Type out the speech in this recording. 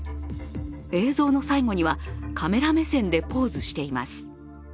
映像の最後にはカメラ目線でポーズしています。